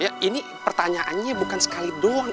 ya ini pertanyaannya bukan sekali doang